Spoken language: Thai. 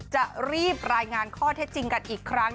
จะรีบรายงานข้อเท็จจริงกันอีกครั้ง